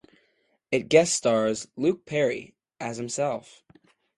It guest-stars Luke Perry as himself.